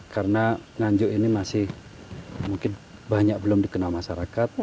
karena nanjuk ini masih mungkin banyak belum dikenal masyarakat